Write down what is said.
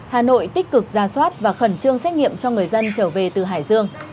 hà nội tích cực ra soát và khẩn trương xét nghiệm cho người dân trở về từ hải dương